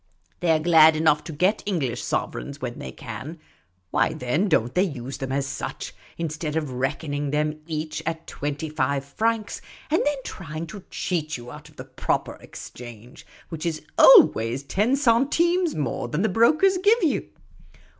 They 're glad enough to get English sov^ereigns when they can ; why, then, don't they use them as such, instead of reckoning them each at twenty five francs, and then trying to cheat you out of the proper exchange, which is always ten centimes more than the brokers give you